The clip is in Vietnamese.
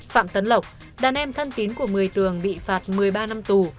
phạm tấn lộc đàn em thân tín của một mươi tường bị phạt một mươi ba năm tù